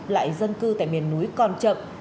lại dân cư tại miền núi còn chậm